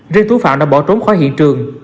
riêng thú phạm đã bỏ trốn khỏi hiện trường